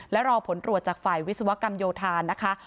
และรอผลตรวจจากฝ่ายวิศวกรรมโยธานะคะ